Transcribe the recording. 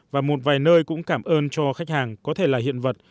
và một vài nơi cũng cảm ơn cho khách hàng có thể là hiện vật